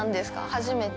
初めて。